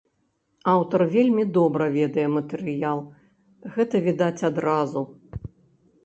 Аўтар вельмі добра ведае матэрыял, гэта відаць адразу.